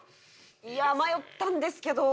いや迷ったんですけど。